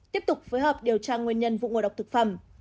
tiếp tục phối hợp điều tra nguyên nhân vụ ngồi đọc thực phẩm